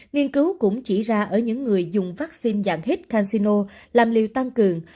nghiên cứu cũng chỉ ra ở những người dùng vaccine dạng hít casino làm liều tăng cường